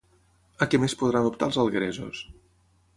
A què més podran optar els algueresos?